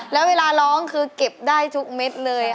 แล้วเวลาร้องคือเก็บได้ทุกเม็ดเลย